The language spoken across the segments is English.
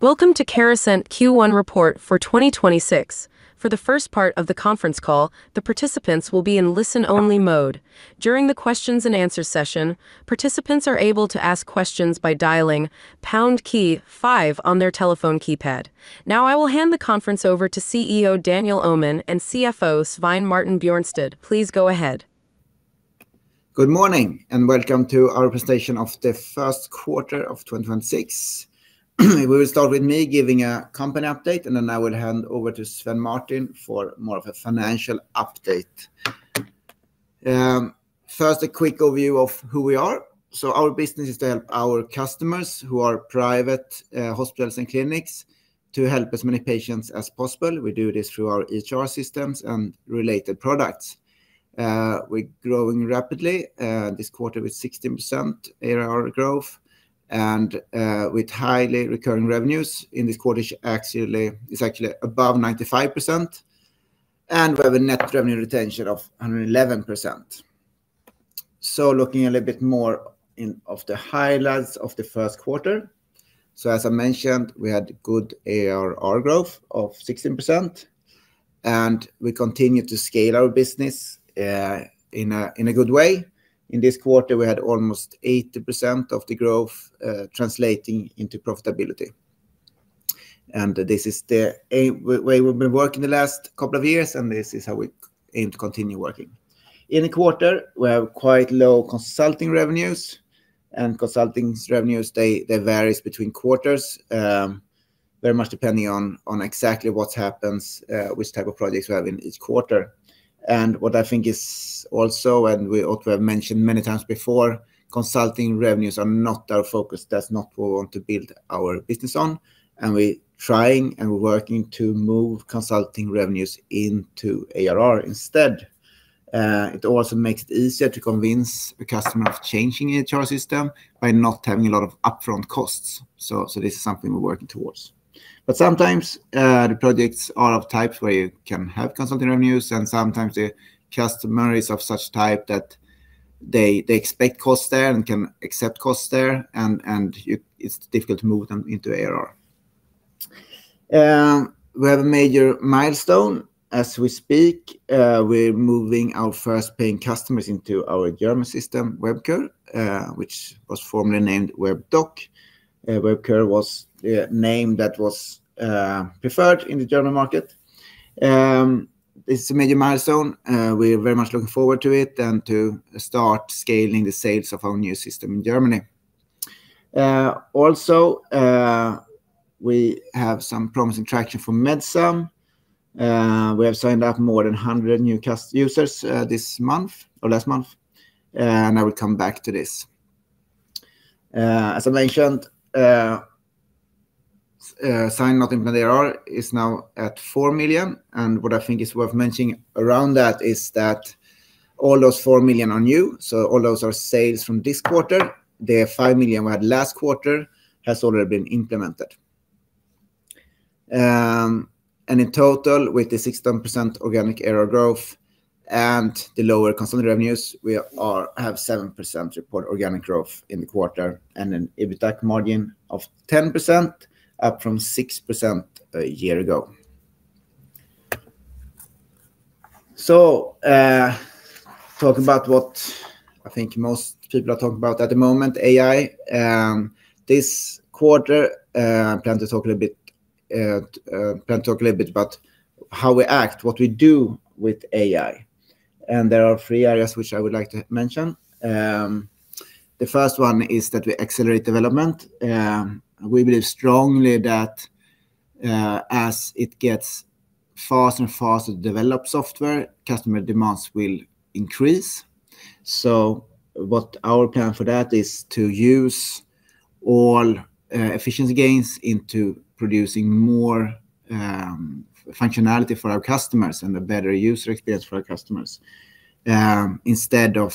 Welcome to Carasent Q1 report for 2026. For the first part of the conference call, the participants will be in listen-only mode. During the questions-and-answers session, participants are able to ask questions by dialing pound key five on their telephone keypad. Now I will hand the conference over to CEO Daniel Öhman and CFO Svein-Martin Bjørnstad. Please go ahead. Good morning, and welcome to our presentation of the first quarter of 2026. We will start with me giving a company update, and then I will hand over to Svein-Martin for more of a financial update. First, a quick overview of who we are. Our business is to help our customers, who are private hospitals and clinics, to help as many patients as possible. We do this through our EHR systems and related products. We're growing rapidly, this quarter with 16% ARR growth and with highly recurring revenues. In this quarter, it's actually above 95%, and we have a net revenue retention of 111%. Looking a little bit more of the highlights of the first quarter. As I mentioned, we had good ARR growth of 16%, and we continued to scale our business in a good way. In this quarter, we had almost 80% of the growth translating into profitability. This is the way we've been working the last couple of years, and this is how we aim to continue working. In the quarter, we have quite low consulting revenues, and consulting revenues, they varies between quarters, very much depending on exactly what happens, which type of projects we have in each quarter. What I think is also, and we also have mentioned many times before, consulting revenues are not our focus. That's not what we want to build our business on, and we're trying and working to move consulting revenues into ARR instead. It also makes it easier to convince the customer of changing EHR system by not having a lot of upfront costs. This is something we're working towards. Sometimes, the projects are of types where you can have consulting revenues, and sometimes the customer is of such type that they expect cost there and can accept cost there, and it's difficult to move them into ARR. We have a major milestone as we speak. We're moving our first paying customers into our German system, Webcur, which was formerly named Webdoc. Webcur was a name that was preferred in the German market. It's a major milestone. We're very much looking forward to it and to start scaling the sales of our new system in Germany. Also, we have some promising traction from Medsum. We have signed up more than 100 new users this month or last month, and I will come back to this. As I mentioned, signed but not ARR is now at 4 million, and what I think is worth mentioning around that is that all those 4 million are new, so all those are sales from this quarter. The 5 million we had last quarter has already been implemented. In total, with the 16% organic ARR growth and the lower consulting revenues, we have 7% reported organic growth in the quarter and an EBITDA margin of 10%, up from 6% a year ago. Talk about what I think most people are talking about at the moment, AI. This quarter, I plan to talk a little bit about how we act, what we do with AI. There are three areas which I would like to mention. The first one is that we accelerate development. We believe strongly that as it gets faster and faster to develop software, customer demands will increase. What our plan for that is to use all efficiency gains into producing more functionality for our customers and a better user experience for our customers, instead of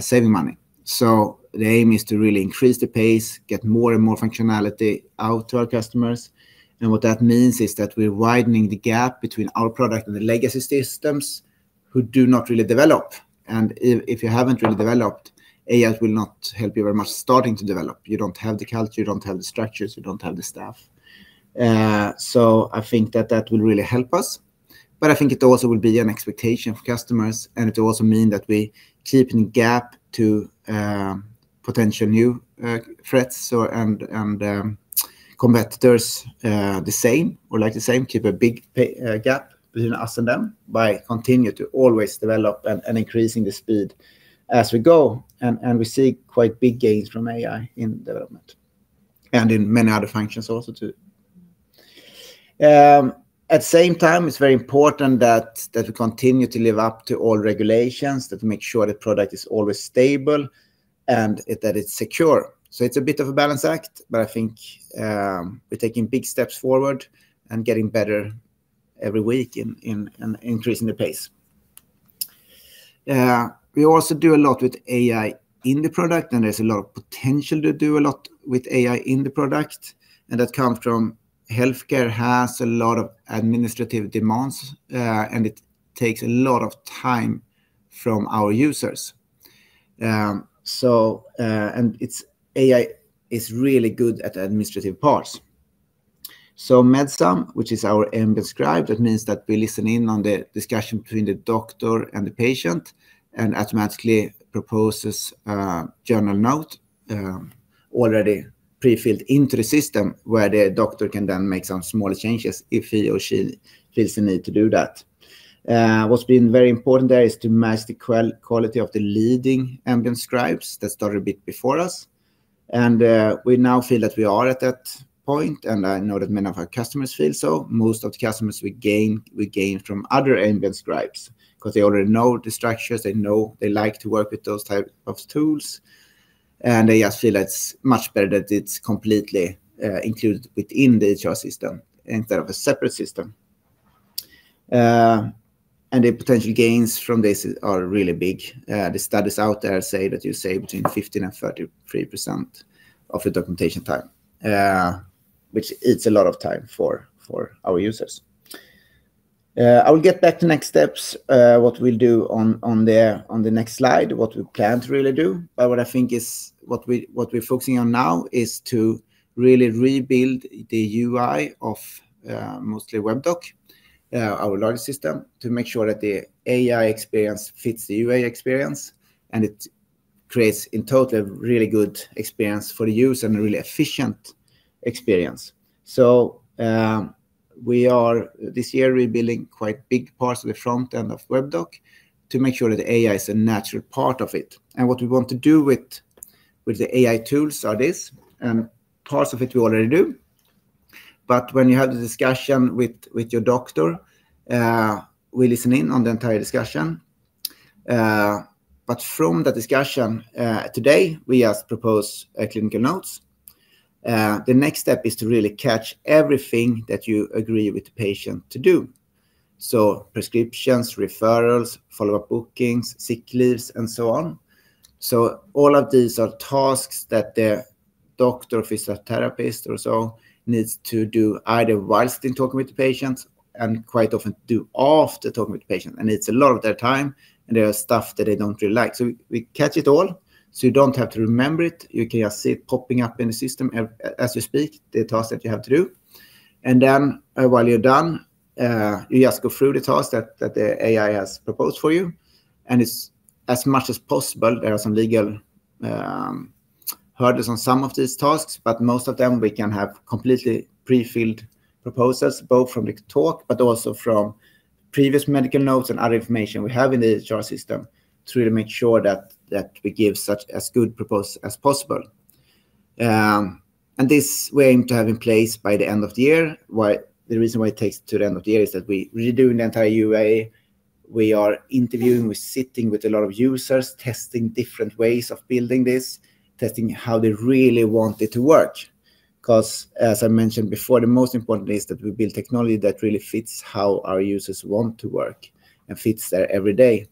saving money. The aim is to really increase the pace, get more and more functionality out to our customers. What that means is that we're widening the gap between our product and the legacy systems who do not really develop. If you haven't really developed, AI will not help you very much starting to develop. You don't have the culture, you don't have the structures, you don't have the staff. I think that will really help us, but I think it also will be an expectation of customers, and it will also mean that we keep a gap to potential new threats and competitors, keep a big gap between us and them by continue to always develop and increasing the speed as we go. We see quite big gains from AI in development and in many other functions also too. At the same time, it's very important that we continue to live up to all regulations, that we make sure the product is always stable and that it's secure. It's a bit of a balance act, but I think we're taking big steps forward and getting better every week and increasing the pace. We also do a lot with AI in the product, and there's a lot of potential to do a lot with AI in the product. That comes from healthcare has a lot of administrative demands, and it takes a lot of time from our users. AI is really good at administrative parts. Medsum, which is our ambient scribe, that means that we listen in on the discussion between the doctor and the patient and automatically proposes a journal note already pre-filled into the system, where the doctor can then make some small changes if he or she feels the need to do that. What's been very important there is to match the quality of the leading ambient scribes that started a bit before us. We now feel that we are at that point, and I know that many of our customers feel so. Most of the customers we gain, we gain from other ambient scribes because they already know the structures. They know they like to work with those type of tools, and they just feel it's much better that it's completely included within the EHR system instead of a separate system. The potential gains from this are really big. The studies out there say that you save between 15% and 33% of the documentation time, which it's a lot of time for our users. I will get back to next steps, what we'll do on the next slide, what we plan to really do. What I think is what we're focusing on now is to really rebuild the UI of mostly Webdoc, our largest system, to make sure that the AI experience fits the UI experience, and it creates, in total, a really good experience for the user and a really efficient experience. We are, this year, rebuilding quite big parts of the front end of Webdoc to make sure that AI is a natural part of it. What we want to do with the AI tools are this, parts of it we already do. When you have the discussion with your doctor, we listen in on the entire discussion. From the discussion today, we just propose clinical notes. The next step is to really catch everything that you agree with the patient to do, prescriptions, referrals, follow-up bookings, sick leaves, and so on. All of these are tasks that the doctor, or physiotherapist, or so needs to do either while in talking with the patient and quite often do after talking with the patient. It's a lot of their time, and it is stuff that they don't really like. We catch it all so you don't have to remember it. You can just see it popping up in the system as you speak, the tasks that you have to do. While you're done, you just go through the tasks that the AI has proposed for you, and it's as much as possible. There are some legal hurdles on some of these tasks, but most of them we can have completely pre-filled proposals, both from the talk but also from previous medical notes and other information we have in the EHR system to really make sure that we give such a good proposal as possible. This we aim to have in place by the end of the year. The reason why it takes to the end of the year is that we're redoing the entire UI. We are interviewing, we're sitting with a lot of users, testing different ways of building this, testing how they really want it to work. Because as I mentioned before, the most important is that we build technology that really fits how our users want to work and fits their every day.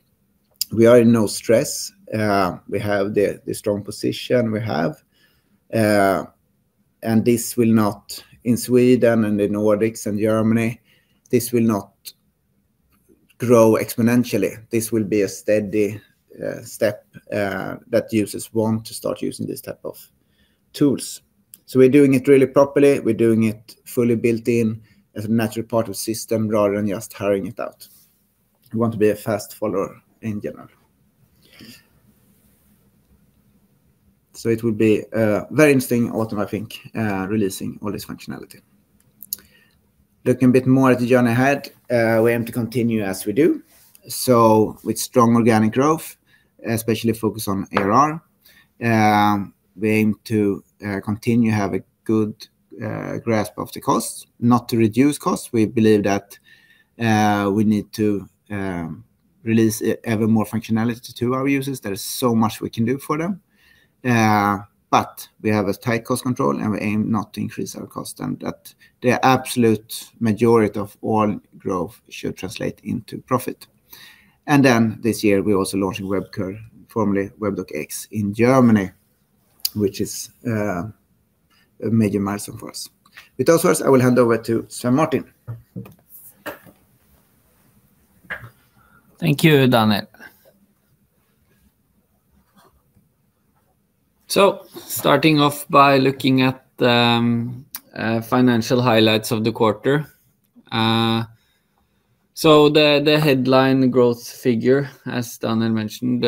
We are in no stress. We have the strong position we have, and this will not, in Sweden and in Nordics and Germany, grow exponentially. This will be a steady step that users want to start using this type of tools. We're doing it really properly. We're doing it fully built-in as a natural part of the system rather than just hiring it out. We want to be a fast follower in general. It will be a very interesting autumn, I think, releasing all this functionality. Looking a bit more at the journey ahead, we aim to continue as we do. With strong organic growth, especially focus on ARR, we aim to continue have a good grasp of the costs, not to reduce costs. We believe that we need to release even more functionality to our users. There is so much we can do for them. We have a tight cost control, and we aim not to increase our cost and that the absolute majority of all growth should translate into profit. This year, we're also launching Webcur, formerly Webdoc X, in Germany, which is a major milestone for us. With that first, I will hand over to Svein-Martin. Thank you, Daniel. Starting off by looking at the financial highlights of the quarter. The headline growth figure, as Daniel mentioned,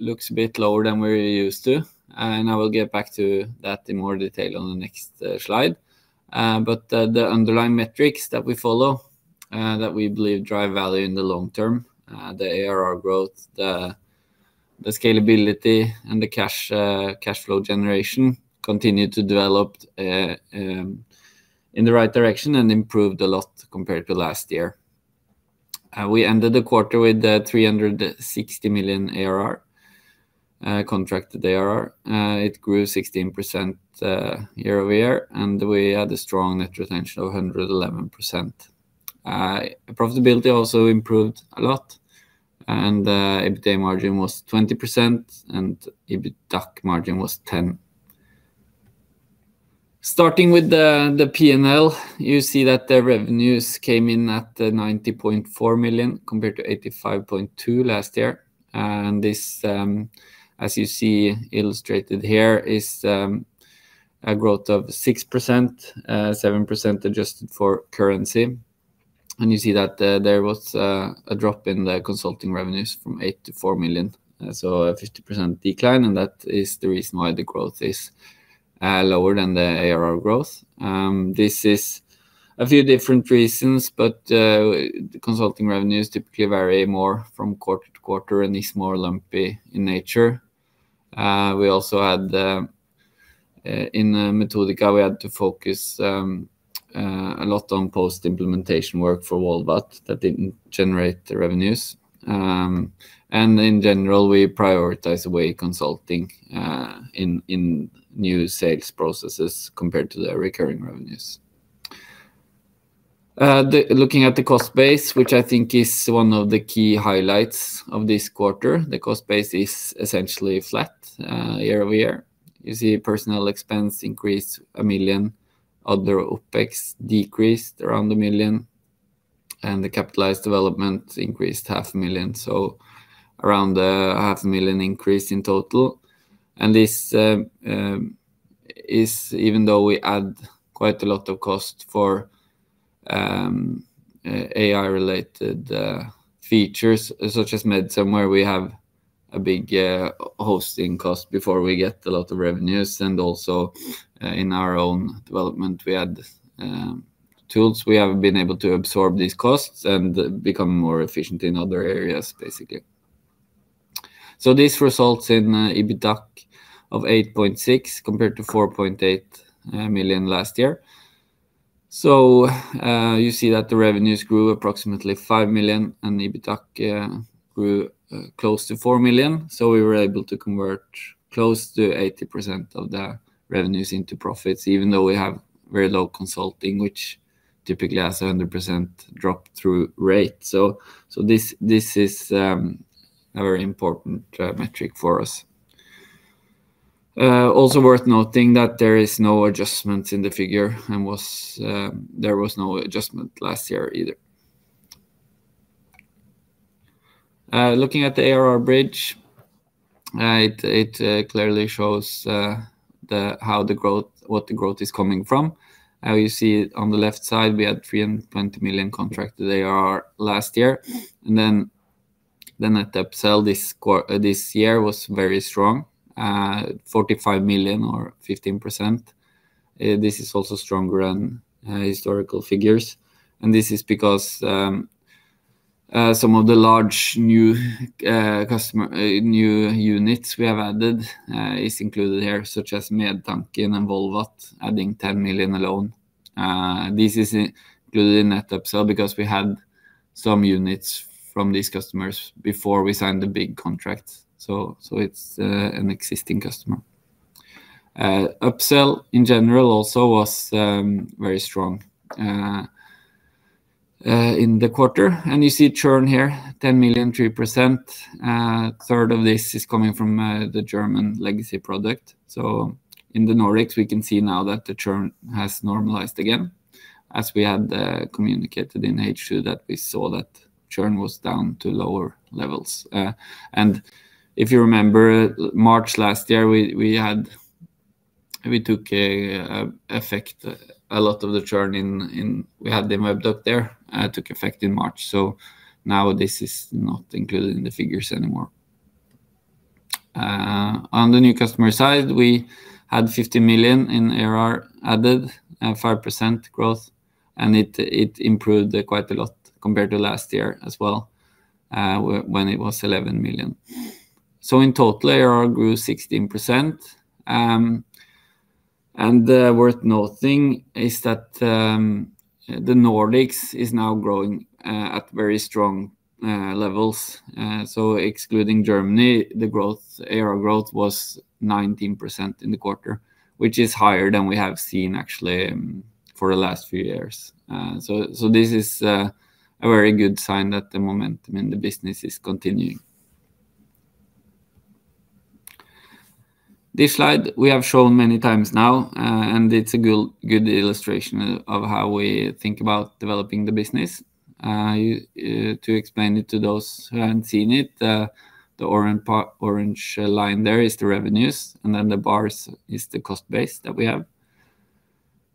looks a bit lower than we're used to, and I will get back to that in more detail on the next slide. The underlying metrics that we follow that we believe drive value in the long term, the ARR growth, the scalability, and the cash flow generation continued to develop in the right direction and improved a lot compared to last year. We ended the quarter with 360 million ARR, contracted ARR. It grew 16% year-over-year, and we had a strong net retention of 111%. Profitability also improved a lot, and EBITDA margin was 20%, and EBITDAC margin was 10%. Starting with the P&L, you see that the revenues came in at 90.4 million compared to 85.2 million last year. This, as you see illustrated here, is a growth of 6%, 7% adjusted for currency. You see that there was a drop in the consulting revenues from 8 million to 4 million, so a 50% decline, and that is the reason why the growth is lower than the ARR growth. This is a few different reasons, but the consulting revenues typically vary more from quarter-to-quarter and is more lumpy in nature. We also had, in Metodika, we had to focus a lot on post-implementation work for Volvat that didn't generate the revenues. In general, we prioritize away consulting in new sales processes compared to the recurring revenues. Looking at the cost base, which I think is one of the key highlights of this quarter, the cost base is essentially flat year-over-year. You see personnel expense increased 1 million. Other OpEx decreased around 1 million. The capitalized development increased 500,000. Around 500,000 increase in total. This is even though we add quite a lot of cost for AI-related features such as Medsum where we have a big hosting cost before we get a lot of revenues, and also in our own development, we add tools. We have been able to absorb these costs and become more efficient in other areas, basically. This results in EBITDA of 8.6 million compared to 4.8 million last year. You see that the revenues grew approximately 5 million and EBITDA grew close to 4 million. We were able to convert close to 80% of the revenues into profits, even though we have very low consulting, which typically has 100% drop-through rate. This is a very important metric for us. Also worth noting that there is no adjustment in the figure, and there was no adjustment last year either. Looking at the ARR bridge, it clearly shows what the growth is coming from. You see on the left side, we had 320 million contracted ARR last year. The net upsell this year was very strong, 45 million or 15%. This is also stronger than historical figures, and this is because some of the large new units we have added is included here, such as Medtanken and Volvat, adding 10 million alone. This is included in net upsell because we had some units from these customers before we signed the big contracts. It's an existing customer. Upsell in general also was very strong in the quarter. You see churn here, 10 million, 3%. A third of this is coming from the German legacy product. In the Nordics, we can see now that the churn has normalized again, as we had communicated in H2 that we saw that churn was down to lower levels. If you remember, March last year, a lot of the churn we had in Webdoc there took effect in March, so now this is not included in the figures anymore. On the new customer side, we had 50 million in ARR added, a 5% growth, and it improved quite a lot compared to last year as well, when it was 11 million. In total, ARR grew 16%. Worth noting is that the Nordics is now growing at very strong levels. Excluding Germany, the ARR growth was 19% in the quarter, which is higher than we have seen actually for the last few years. This is a very good sign that the momentum in the business is continuing. This slide we have shown many times now, and it's a good illustration of how we think about developing the business. To explain it to those who haven't seen it, the orange line there is the revenues, and then the bars is the cost base that we have.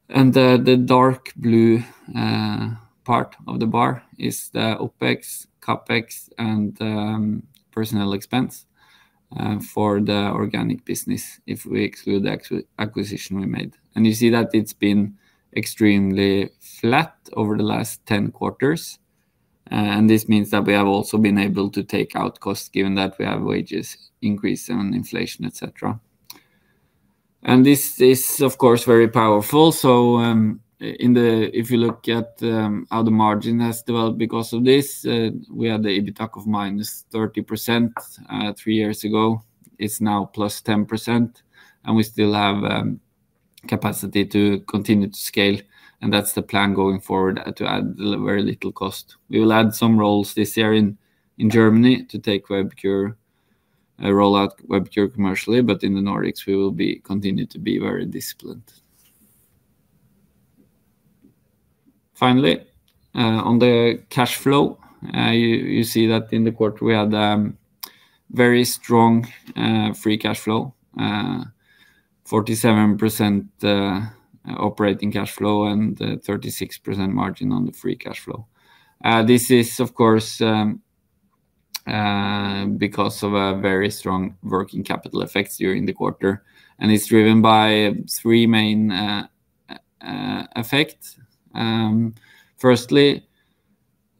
The dark blue part of the bar is the OpEx, CapEx, and personnel expense for the organic business if we exclude the acquisition we made. You see that it's been extremely flat over the last 10 quarters. This means that we have also been able to take out costs given that we have wages increase and inflation, et cetera. This is, of course, very powerful. If you look at how the margin has developed because of this, we had the EBITDA of -30% three years ago. It's now +10%, and we still have capacity to continue to scale, and that's the plan going forward, to add very little cost. We will add some roles this year in Germany to roll out Webcur commercially, but in the Nordics, we will continue to be very disciplined. Finally, on the cash flow, you see that in the quarter we had a very strong free cash flow, 47% operating cash flow and 36% margin on the free cash flow. This is, of course, because of a very strong working capital effect during the quarter, and it's driven by three main effects. Firstly,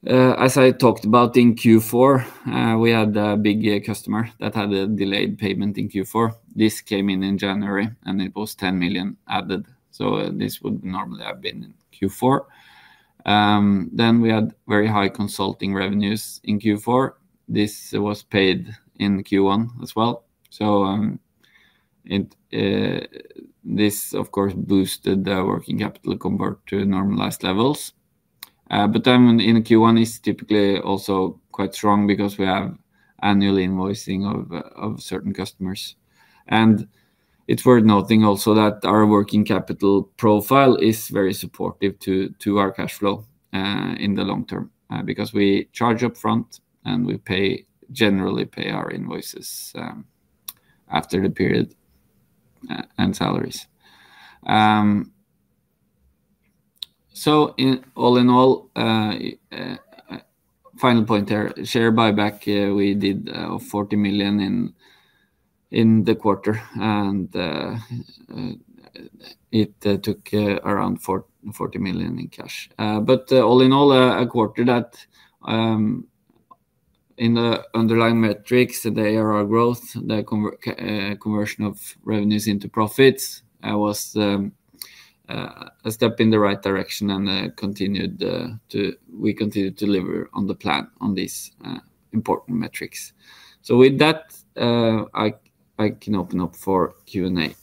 as I talked about in Q4, we had a big customer that had a delayed payment in Q4. This came in in January, and it was 10 million added. This would normally have been in Q4. We had very high consulting revenues in Q4. This was paid in Q1 as well. This, of course, boosted the working capital compared to normalized levels. In Q1 is typically also quite strong because we have annual invoicing of certain customers. It's worth noting also that our working capital profile is very supportive to our cash flow in the long term, because we charge upfront and we generally pay our invoices after the period, and salaries. All in all, final point there, share buyback, we did 40 million in the quarter, and it took around 40 million in cash. All in all, a quarter that in the underlying metrics, the ARR growth, the conversion of revenues into profits, was a step in the right direction and we continued to deliver on the plan on these important metrics. With that, I can open up for Q&A.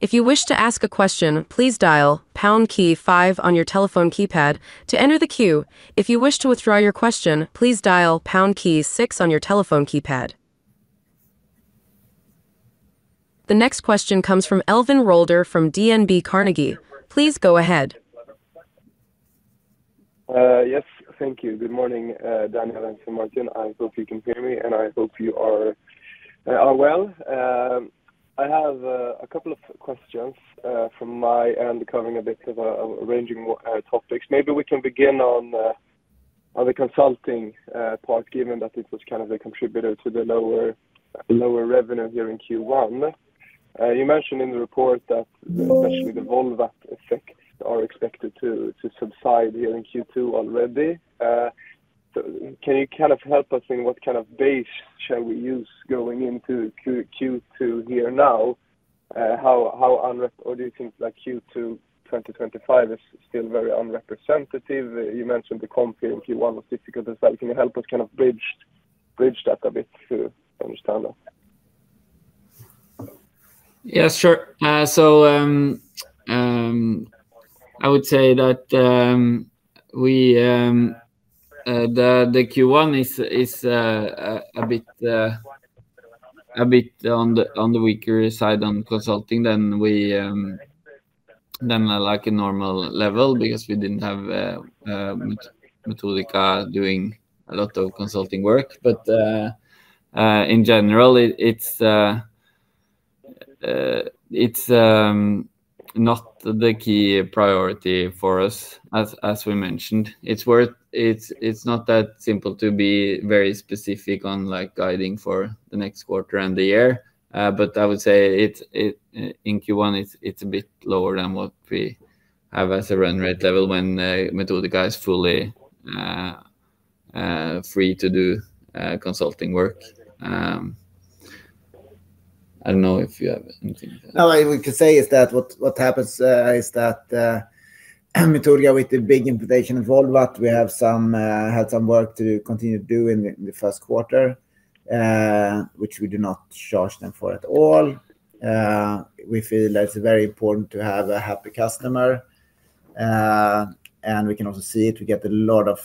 If you wish to ask a question, please dial pound key five on your telephone keypad to enter the queue. If you wish to withdraw your question, please dial pound key six on your telephone keypad. The next question comes from Elvin Rolder from DNB Carnegie. Please go ahead. Yes. Thank you. Good morning, Daniel and Svein-Martin. I hope you can hear me and I hope you are well. I have a couple of questions from my end covering a bit of a range of topics. Maybe we can begin on the consulting part, given that it was kind of a contributor to the lower revenue here in Q1. You mentioned in the report that especially the Volvat effects are expected to subside here in Q2 already. Can you kind of help us in what kind of base shall we use going into Q2 here now? Do you think Q2 2025 is still very unrepresentative? You mentioned the comp in Q1 was difficult as well. Can you help us kind of bridge that a bit to understand that? Yeah, sure. I would say that the Q1 is a bit on the weaker side on consulting than like a normal level because we didn't have Metodika doing a lot of consulting work. In general, it's not the key priority for us as we mentioned. It's not that simple to be very specific on guiding for the next quarter and the year. I would say in Q1, it's a bit lower than what we have as a run rate level when Metodika is fully free to do consulting work. I don't know if you have anything. All I could say is that what happens is that Metodika, with the big implementation of Volvat, we had some work to continue to do in the first quarter, which we do not charge them for at all. We feel it's very important to have a happy customer. We can also see it, we get a lot of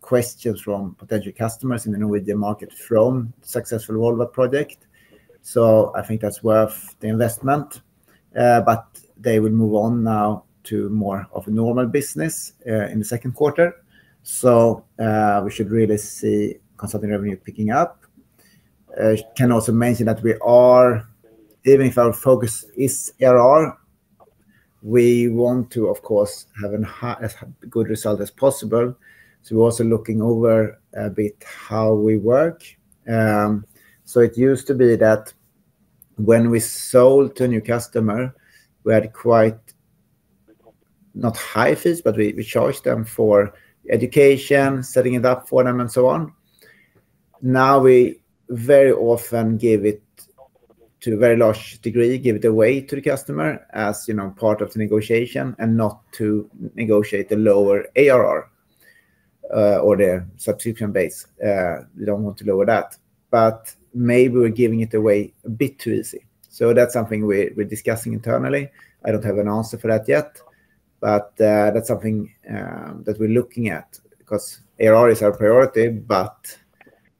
questions from potential customers in the Norwegian market from successful Volvat project. I think that's worth the investment. They will move on now to more of a normal business in the second quarter. We should really see consulting revenue picking up. I can also mention that even if our focus is ARR, we want to, of course, have as good result as possible. We're also looking over a bit how we work. It used to be that when we sold to a new customer, we had not high fees, but we charged them for education, setting it up for them and so on. Now we very often, to a very large degree, give it away to the customer as part of the negotiation and not to negotiate the lower ARR or the subscription base. We don't want to lower that. Maybe we're giving it away a bit too easy. That's something we're discussing internally. I don't have an answer for that yet. That's something that we're looking at, because ARR is our priority.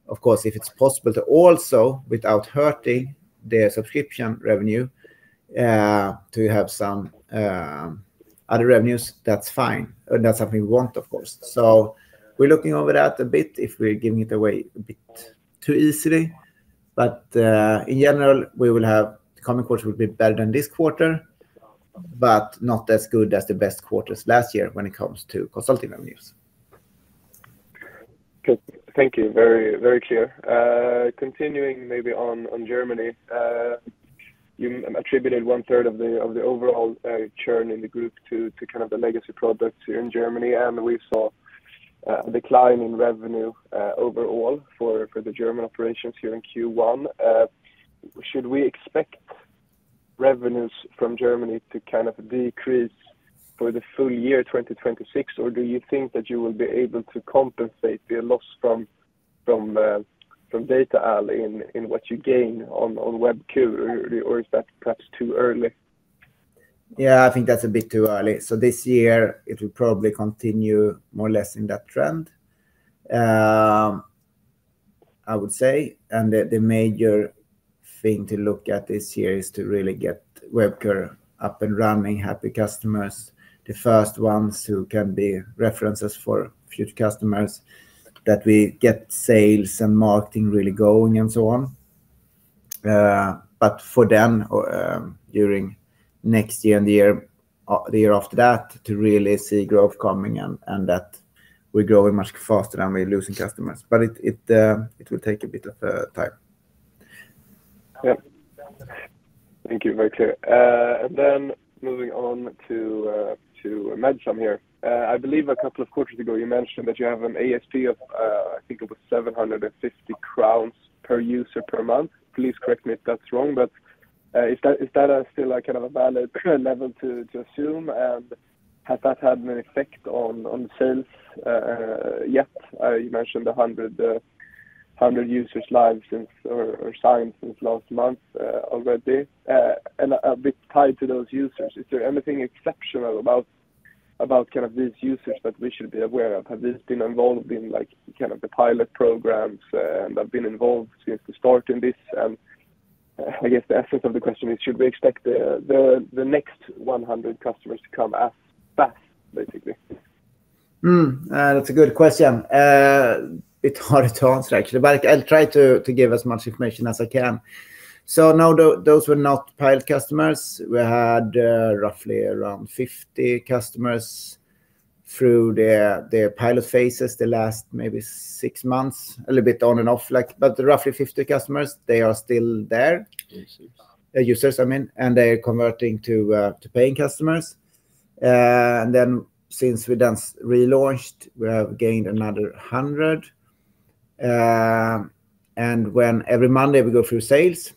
Of course, if it's possible to also, without hurting the subscription revenue, to have some other revenues, that's fine. That's something we want, of course. We're looking over that a bit, if we're giving it away a bit too easily. In general, the coming quarter will be better than this quarter, but not as good as the best quarters last year when it comes to consulting revenues. Good. Thank you. Very clear. Continuing maybe on Germany. You attributed 1/3 of the overall churn in the group to the legacy products here in Germany, and we saw a decline in revenue overall for the German operations here in Q1. Should we expect revenues from Germany to decrease for the full year 2026? Do you think that you will be able to compensate the loss from Data-AL in what you gain on Webcur? Is that perhaps too early? Yeah, I think that's a bit too early. This year it will probably continue more or less in that trend, I would say. The major thing to look at this year is to really get Webcur up and running, happy customers, the first ones who can be references for future customers, that we get sales and marketing really going and so on, for them, during next year and the year after that, to really see growth coming and that we're growing much faster than we're losing customers. It will take a bit of time. Yeah. Thank you. Very clear. Moving on to Medsum here. I believe a couple of quarters ago you mentioned that you have an ASP of, I think it was 750 crowns/user per month. Please correct me if that's wrong, but is that still a kind of a valid level to assume? Has that had an effect on sales yet? You mentioned 100 users live or signed since last month already. A bit tied to those users, is there anything exceptional about this usage that we should be aware of? Have these been involved in the pilot programs, and have been involved since the start in this? I guess the essence of the question is, should we expect the next 100 customers to come as fast, basically? That's a good question. It's a bit hard to answer, actually, but I'll try to give as much information as I can. No, those were not pilot customers. We had roughly around 50 customers through their pilot phases, the last maybe six months, a little bit on and off. Roughly 50 customers, they are still there. Users. Users, I mean. They're converting to paying customers. Since we then relaunched, we have gained another 100. When every Monday we go through sales,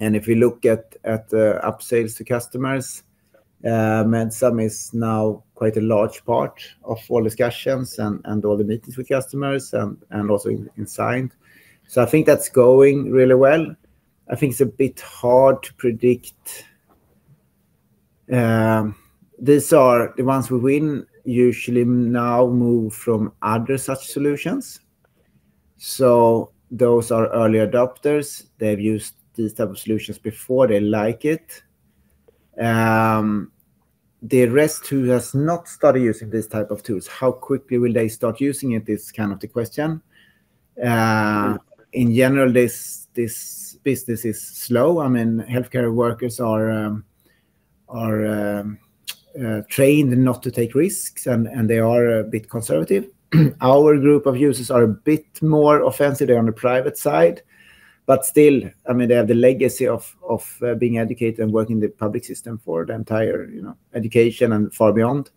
and if we look at upsales to customers, Medsum is now quite a large part of all discussions and all the meetings with customers, and also in signed. I think that's going really well. I think it's a bit hard to predict. The ones we win usually now move from other such solutions. Those are early adopters. They've used these type of solutions before. They like it. The rest who has not started using this type of tools, how quickly will they start using it is kind of the question. In general, this business is slow. I mean, healthcare workers are trained not to take risks, and they are a bit conservative. Our group of users are a bit more offensive. They're on the private side. Still, they have the legacy of being educated and working in the public system for their entire education and far beyond.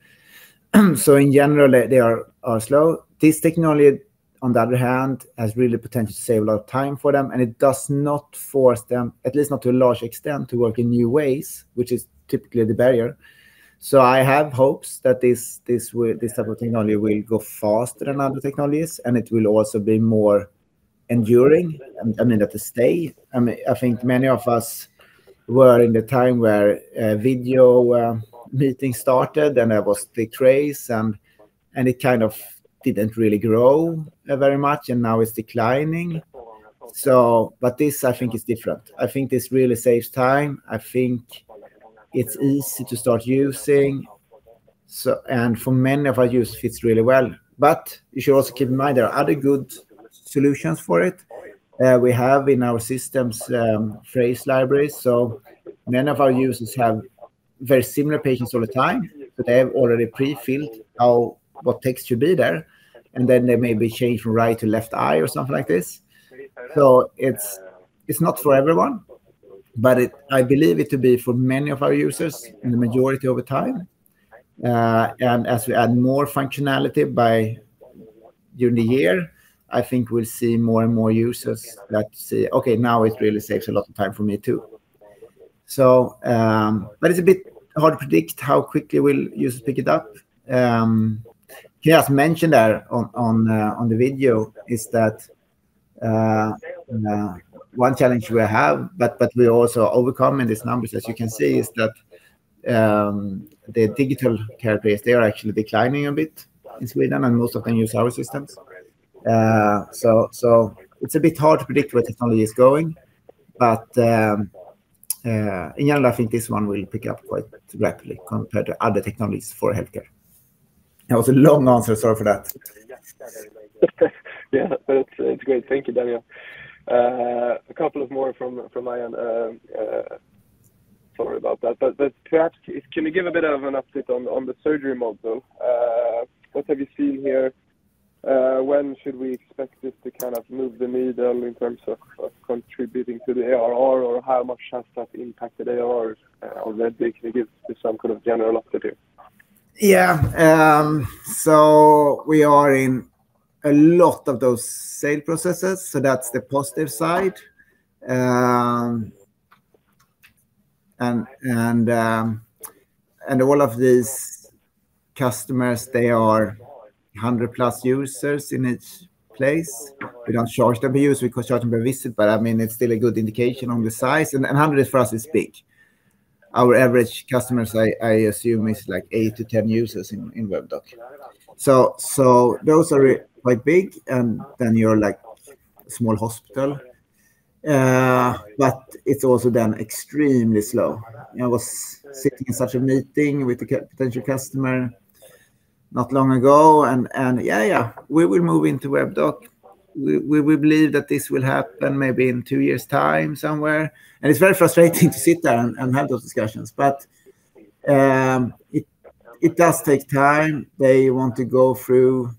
In general, they are slow. This technology, on the other hand, has really potential to save a lot of time for them, and it does not force them, at least not to a large extent, to work in new ways, which is typically the barrier. I have hopes that this type of technology will go faster than other technologies, and it will also be more enduring, I mean, that they stay. I think many of us were in the time where video meetings started, and it was the craze, and it kind of didn't really grow very much, and now it's declining. This, I think is different. I think this really saves time. I think it's easy to start using. For many of our users, it fits really well. You should also keep in mind there are other good solutions for it. We have in our systems, phrase libraries. Many of our users have very similar patients all the time, so they have already pre-filled what text should be there, and then they maybe change from right to left eye or something like this. It's not for everyone, but I believe it to be for many of our users, in the majority over time. As we add more functionality during the year, I think we'll see more and more users that say, "Okay, now it really saves a lot of time for me too." It's a bit hard to predict how quickly will users pick it up. Just mentioned there on the video is that one challenge we have, but we also overcome in these numbers as you can see, is that the digital care base, they are actually declining a bit in Sweden, and most of them use our systems. It's a bit hard to predict where technology is going. In general, I think this one will pick up quite rapidly compared to other technologies for healthcare. That was a long answer. Sorry for that. Yeah. No, it's great. Thank you, Daniel. A couple of more from my end. Sorry about that. Perhaps, can you give a bit of an update on the surgery module? What have you seen here? When should we expect this to kind of move the needle in terms of contributing to the ARR, or how much has that impacted ARR already? Can you give just some kind of general update here? Yeah. We are in a lot of those sale processes, so that's the positive side. All of these customers, they are 100+ users in each place. We don't charge them per user, we charge them per visit, but it's still a good indication on the size, and 100 for us is big. Our average customers, I assume, is eight to 10 users in Webdoc. Those are quite big, and you're like a small hospital. It's also then extremely slow. I was sitting in such a meeting with a potential customer not long ago, and yeah, we will move into Webdoc. We believe that this will happen maybe in two years' time somewhere, and it's very frustrating to sit there and have those discussions. It does take time. They want to go through,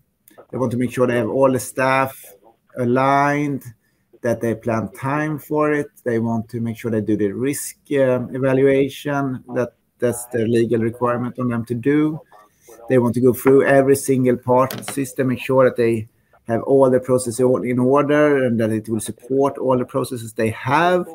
they want to make sure they have all the staff aligned, that they plan time for it. They want to make sure they do the risk evaluation. That's their legal requirement on them to do. They want to go through every single part of the system, make sure that they have all the processes in order, and that it will support all the processes they have.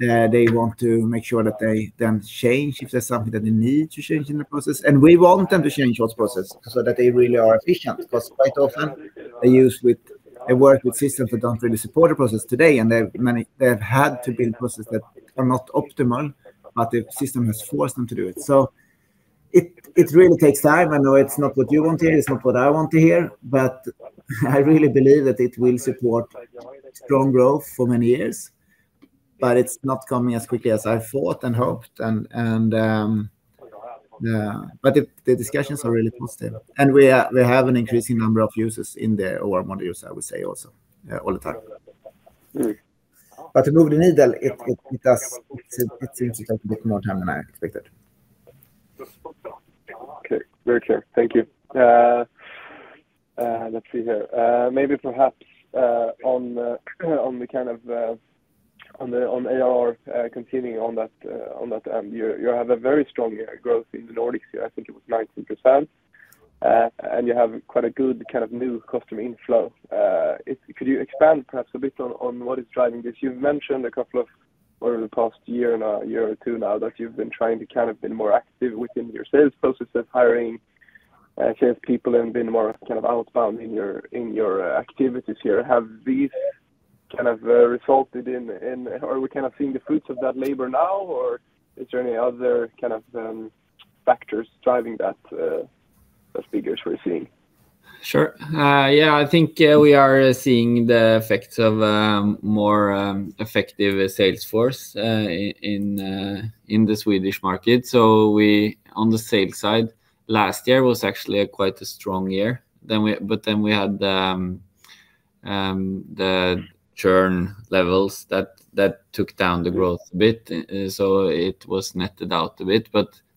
They want to make sure that they then change if there's something that they need to change in the process. We want them to change those processes so that they really are efficient, because quite often they work with systems that don't really support the process today, and they've had to build processes that are not optimal, but the system has forced them to do it. It really takes time. I know it's not what you want to hear, it's not what I want to hear, but I really believe that it will support strong growth for many years. It's not coming as quickly as I thought and hoped. The discussions are really positive, and we have an increasing number of users in the OR module, I would say also, all the time. To move the needle, it seems it's going to take a bit more time than I expected. Okay. Very clear. Thank you. Let's see here. Maybe perhaps on ARR, continuing on that, you have a very strong growth in the Nordics here. I think it was 19%, and you have quite a good kind of new customer inflow. Could you expand perhaps a bit on what is driving this? You've mentioned a couple of, over the past year or two now, that you've been trying to kind of been more active within your sales processes, hiring salespeople, and been more kind of outbound in your activities here. Are we kind of seeing the fruits of that labor now, or is there any other kind of factors driving those figures we're seeing? Sure. Yeah, I think we are seeing the effects of a more effective sales force in the Swedish market. On the sales side, last year was actually quite a strong year. We had the churn levels that took down the growth a bit, so it was netted out a bit.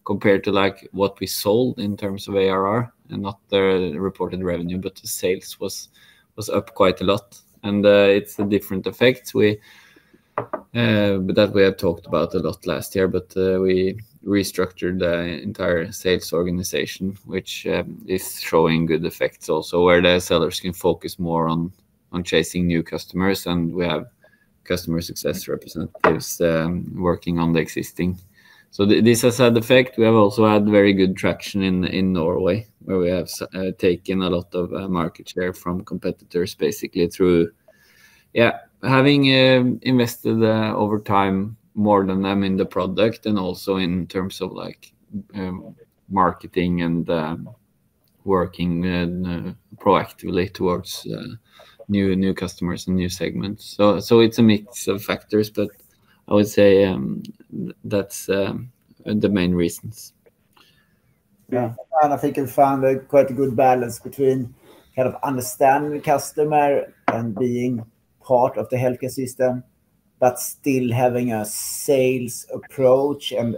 Compared to what we sold in terms of ARR, and not the reported revenue, but the sales was up quite a lot. It's the different effects that we had talked about a lot last year. We restructured the entire sales organization, which is showing good effects also, where the sellers can focus more on chasing new customers, and we have customer success representatives working on the existing. This has had effect. We have also had very good traction in Norway, where we have taken a lot of market share from competitors, basically through having invested over time more than them in the product, and also in terms of marketing and working proactively towards new customers and new segments. It's a mix of factors, but I would say that's the main reasons. Yeah. I think we found a quite good balance between kind of understanding the customer and being part of the healthcare system, but still having a sales approach and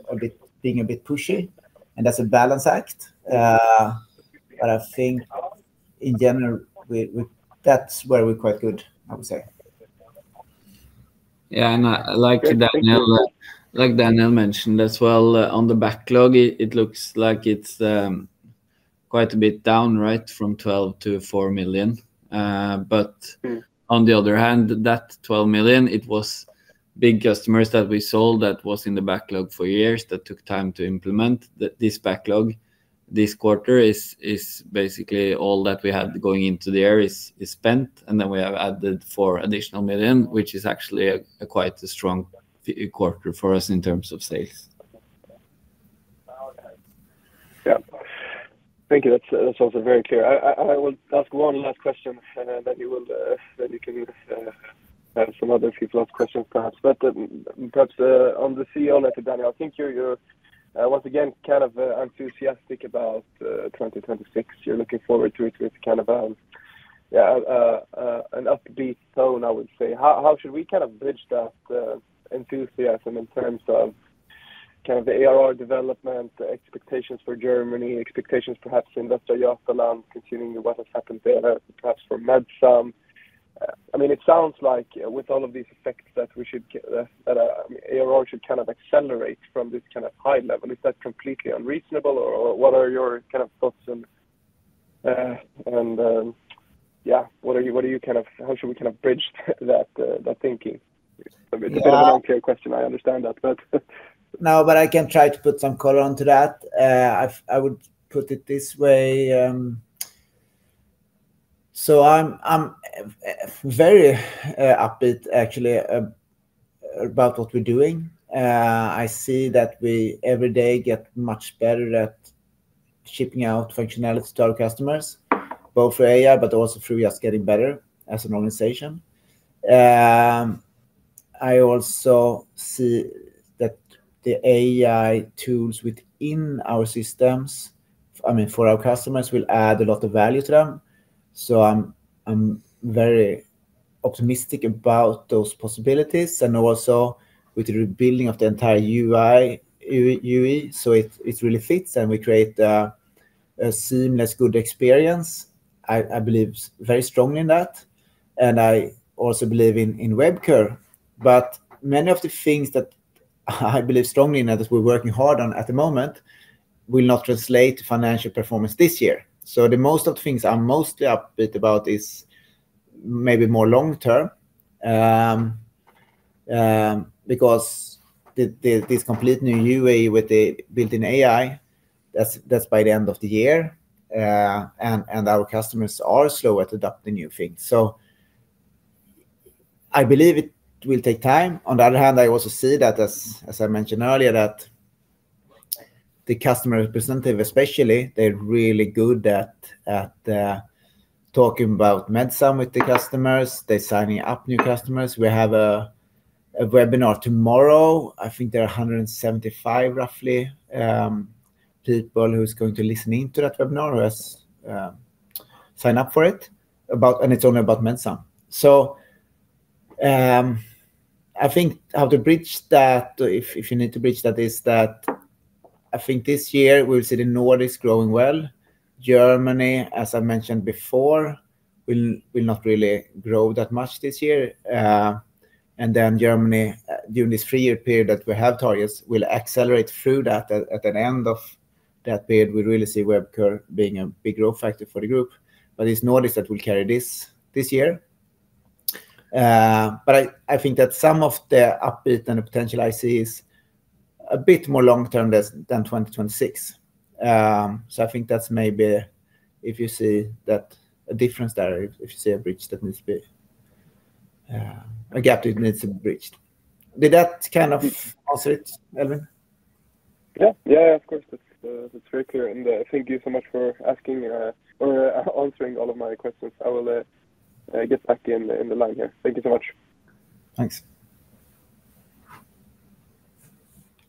being a bit pushy, and that's a balance act. I think in general, that's where we're quite good, I would say. Yeah, like Daniel mentioned as well, on the backlog, it looks like it's quite a bit down, from 12 million to 4 million. On the other hand, that 12 million, it was big customers that we sold that was in the backlog for years, that took time to implement. This backlog this quarter is basically all that we had going into the year is spent, and then we have added 4 additional million, which is actually quite a strong quarter for us in terms of sales. Okay. Yeah. Thank you. That's also very clear. I will ask one last question, then you can leave and some other people's last questions perhaps. Perhaps on the CEO letter, Daniel, I think you're once again kind of enthusiastic about 2026. You're looking forward to it with kind of an upbeat tone, I would say. How should we kind of bridge that enthusiasm in terms of kind of the ARR development, expectations for Germany, expectations perhaps in [audio distortionYacht] alarm considering what has happened there, perhaps for Medsum? It sounds like with all of these effects that ARR should kind of accelerate from this kind of high level. Is that completely unreasonable, or what are your kind of thoughts and how should we kind of bridge that thinking? It's a bit of an unfair question, I understand that. I can try to put some color onto that. I would put it this way. I'm very upbeat, actually, about what we're doing. I see that we every day get much better at shipping out functionality to our customers, both for AI but also through just getting better as an organization. I also see that the AI tools within our systems, I mean, for our customers, will add a lot of value to them. I'm very optimistic about those possibilities and also with the rebuilding of the entire UI, so it really fits, and we create a seamless good experience. I believe very strongly in that, and I also believe in Webcur. Many of the things that I believe strongly in, that we're working hard on at the moment, will not translate financial performance this year. The most of the things I'm mostly upbeat about is maybe more long-term. Because this complete new UI with the built-in AI, that's by the end of the year, and our customers are slow at adopting new things. I believe it will take time. On the other hand, I also see that, as I mentioned earlier, that the customer representative, especially, they're really good at talking about Medsum with the customers. They're signing up new customers. We have a webinar tomorrow. I think there are 175, roughly, people who's going to listen in to that webinar, who has signed up for it, and it's only about Medsum. I think how to bridge that, if you need to bridge that, is that I think this year we'll see the Nordics growing well. Germany, as I mentioned before, will not really grow that much this year. Germany, during this three-year period that we have targets, will accelerate through that. At an end of that period, we really see Webcur being a big growth factor for the group. It's Nordics that will carry this year. I think that some of the upbeat and the potential I see is a bit more long-term than 2026. I think that's maybe if you see a difference there, if you see a gap that needs to be bridged. Did that kind of answer it, Elvin? Yeah, of course. That's very clear, and thank you so much for answering all of my questions. I will get back in the line here. Thank you so much. Thanks.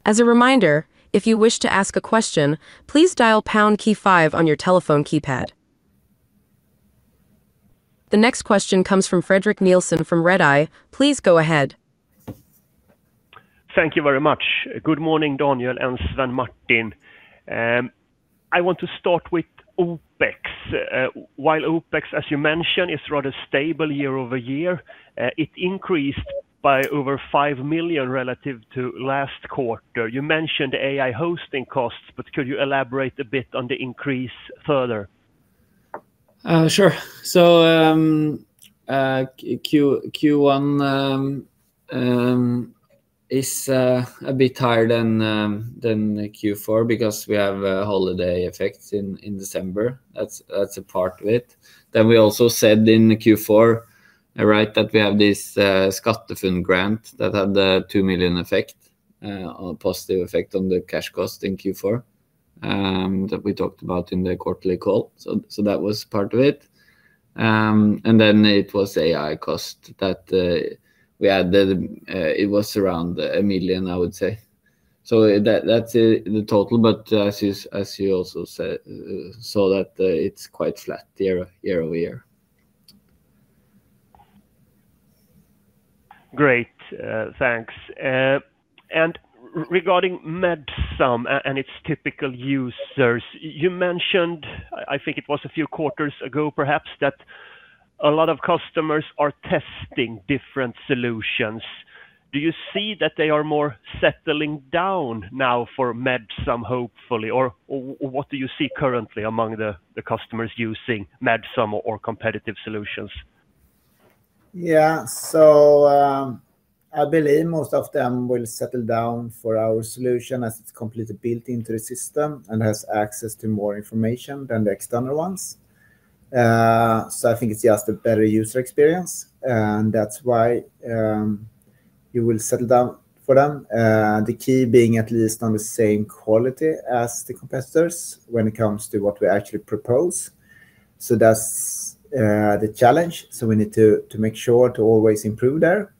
As a reminder, if you wish to ask a question, please dial pound key five on your telephone keypad. The next question comes from Fredrik Nilsson from Redeye. Please go ahead. Thank you very much. Good morning, Daniel and Svein-Martin. I want to start with OpEx. While OpEx, as you mentioned, is rather stable year-over-year, it increased by over 5 million relative to last quarter. You mentioned AI hosting costs, but could you elaborate a bit on the increase further? Sure. Q1 is a bit higher than Q4 because we have holiday effects in December. That's a part of it. We also said in Q4, right, that we have this SkatteFUNN grant that had the 2 million effect or positive effect on the cash cost in Q4, that we talked about in the quarterly call. That was part of it. It was AI cost that we added. It was around 1 million, I would say. That's the total. As you also saw that it's quite flat year-over-year. Great, thanks. Regarding Medsum and its typical users, you mentioned, I think it was a few quarters ago, perhaps, that a lot of customers are testing different solutions. Do you see that they are more settling down now for Medsum, hopefully, or what do you see currently among the customers using Medsum or competitive solutions? Yeah. I believe most of them will settle down for our solution as it's completely built into the system and has access to more information than the external ones. I think it's just a better user experience, and that's why you will settle down for them. The key being at least on the same quality as the competitors when it comes to what we actually propose. That's the challenge. We need to make sure to always improve there.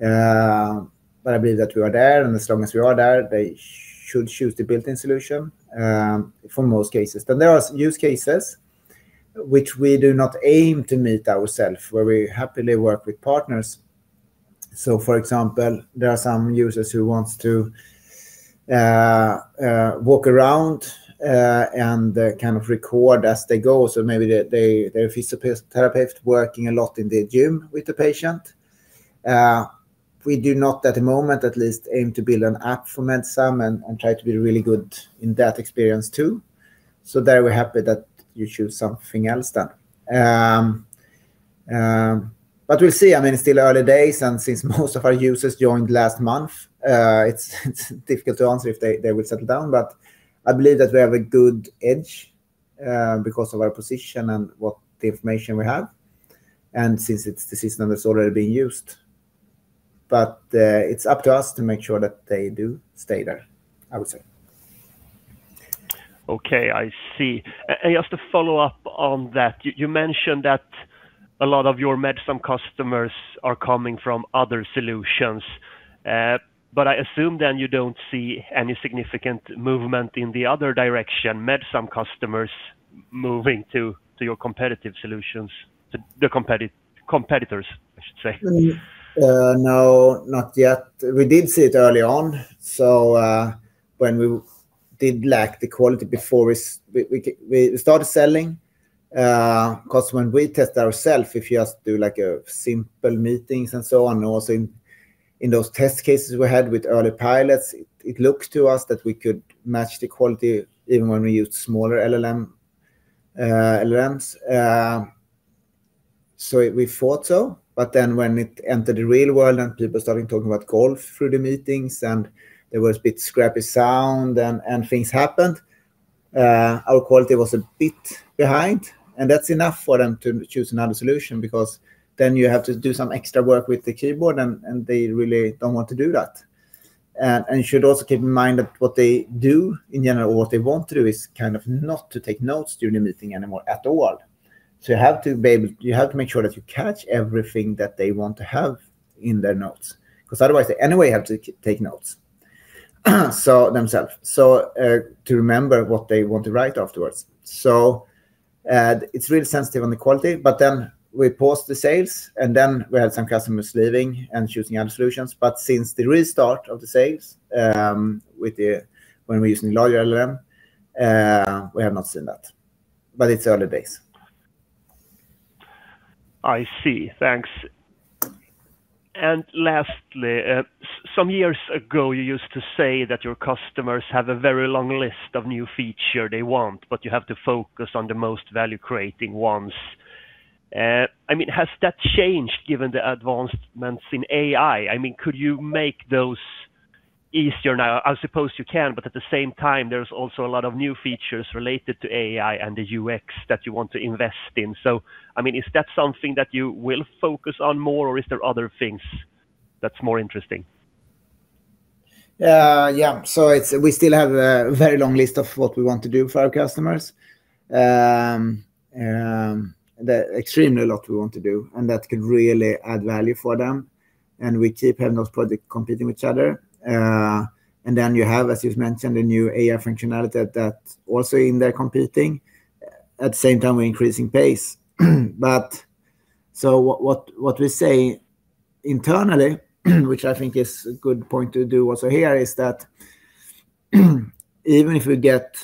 I believe that we are there, and as long as we are there, they should choose the built-in solution for most cases. There are use cases which we do not aim to meet ourself, where we happily work with partners. For example, there are some users who want to walk around and kind of record as they go. Maybe they're a physiotherapist working a lot in the gym with the patient. We do not at the moment at least aim to build an app for Medsum and try to be really good in that experience too. There we're happy that you choose something else then. We'll see. It's still early days and since most of our users joined last month, it's difficult to answer if they will settle down. I believe that we have a good edge because of our position and what the information we have and since it's the system that's already being used. It's up to us to make sure that they do stay there, I would say. Okay, I see. Just to follow up on that, you mentioned that a lot of your Medsum customers are coming from other solutions. I assume then you don't see any significant movement in the other direction, Medsum customers moving to your competitive solutions, to the competitors, I should say. No, not yet. We did see it early on when we did lack the quality before we started selling, because when we test ourself, if you just do simple meetings and so on. Also in those test cases we had with early pilots, it looked to us that we could match the quality even when we used smaller LLMs. We thought so, but then when it entered the real world and people started talking about golf through the meetings and there was a bit scrappy sound and things happened, our quality was a bit behind, and that's enough for them to choose another solution because then you have to do some extra work with the keyboard and they really don't want to do that. You should also keep in mind that what they do in general, or what they want to do is kind of not to take notes during the meeting anymore at all. You have to make sure that you catch everything that they want to have in their notes, because otherwise they anyway have to take notes themselves, so to remember what they want to write afterwards. It's really sensitive on the quality. We paused the sales and then we had some customers leaving and choosing other solutions. Since the restart of the sales, when we're using the larger LLM, we have not seen that. It's early days. I see. Thanks. Lastly, some years ago you used to say that your customers have a very long list of new feature they want, but you have to focus on the most value-creating ones. Has that changed given the advancements in AI? Could you make those easier now? I suppose you can, but at the same time, there's also a lot of new features related to AI and the UX that you want to invest in. Is that something that you will focus on more, or is there other things that's more interesting? Yeah. We still have a very long list of what we want to do for our customers. Extremely a lot we want to do and that could really add value for them, and we keep having those projects competing with each other. You have, as you've mentioned, the new AI functionality that also in there competing. At the same time, we're increasing pace, but what we say internally, which I think is a good point to do also here, is that even if we get